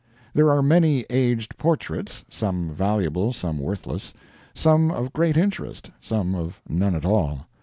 There are many aged portraits some valuable, some worthless; some of great interest, some of none at all.